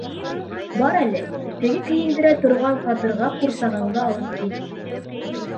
— Бар әле, теге кейендерә торған ҡатырға ҡурсағыңды алып кил!